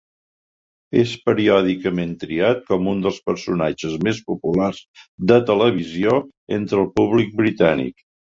És periòdicament triat com un dels personatges més populars de televisió entre el públic britànic.